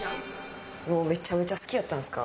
めちゃめちゃ好きやったんですか。